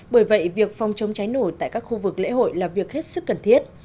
bởi vậy việc phòng chống cháy nổ tại các khu vực lễ hội là việc hết sức cần thiết